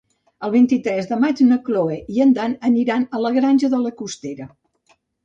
El vint-i-tres de maig na Cloè i en Dan aniran a la Granja de la Costera.